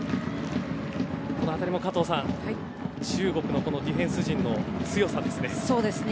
この辺りも中国のディフェンス陣の強さですね。